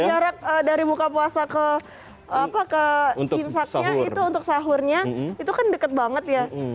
karena jaraknya kan jarak dari muka puasa ke apa ke imsaknya itu untuk sahurnya itu kan dekat banget ya